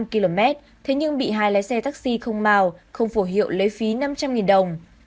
năm km thế nhưng bị hai lái xe taxi không màu không phổ hiệu lấy phí năm trăm linh đồng